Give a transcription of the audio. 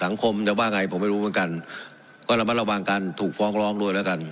สังคมจะว่าไงผมไม่รู้เหมือนกันก็ระมัดระวังการถูกฟ้องร้องด้วยแล้วกัน